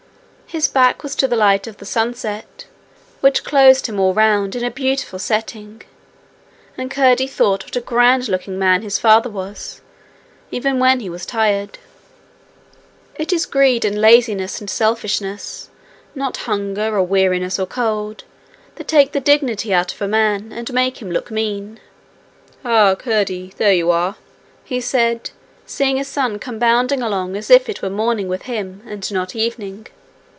His back was to the light of the sunset, which closed him all round in a beautiful setting, and Curdie thought what a grand looking man his father was, even when he was tired. It is greed and laziness and selfishness, not hunger or weariness or cold, that take the dignity out of a man, and make him look mean. 'Ah, Curdie! There you are!' he said, seeing his son come bounding along as if it were morning with him and not evening.